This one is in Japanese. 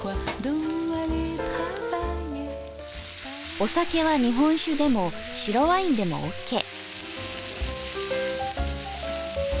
お酒は日本酒でも白ワインでもオッケー。